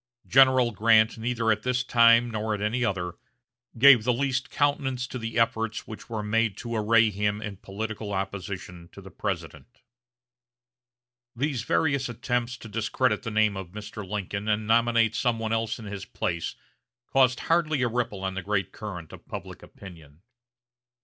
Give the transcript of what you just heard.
General Grant neither at this time nor at any other, gave the least countenance to the efforts which were made to array him in political opposition to the President. These various attempts to discredit the name of Mr. Lincoln and nominate some one else in his place caused hardly a ripple on the great current of public opinion.